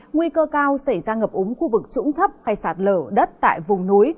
nguy cơ cao xảy ra ngập úng khu vực trũng thấp hay sạt lở đất tại vùng núi